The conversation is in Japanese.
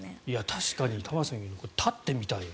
確かに玉川さんが言うように立ってみたいな。